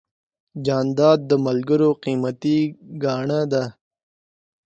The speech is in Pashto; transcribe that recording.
جانداد د ملګرو قیمتي ګاڼه ده.